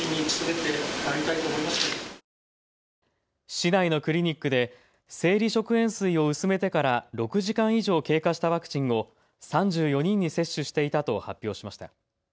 市内のクリニックで生理食塩水を薄めてから６時間以上経過したワクチンを３４人に接種していたと発表しました。